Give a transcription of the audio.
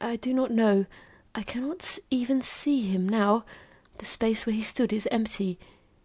I do not know. I cannot even see him now. The space where he stood is empty.